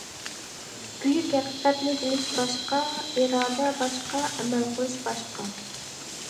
بۈيۈك ھەقىقەتنى بىلىش باشقا، ئىرادە باشقا، ئەمەل قىلىش باشقا.